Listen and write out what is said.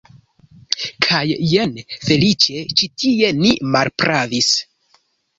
Kaj jen, feliĉe, ĉi tie ni malpravis.